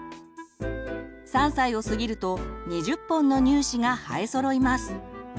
３歳を過ぎると２０本の乳歯が生えそろいます。